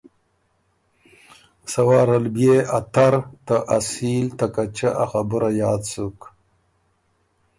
سَۀ وارل بيې ا تر ته اصیل ته کچۀا خبُره یاد سُک۔